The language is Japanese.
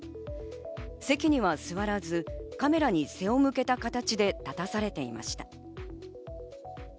席には座らず、カメラに背を向けた形で立たされていました。